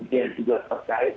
muda juga terkait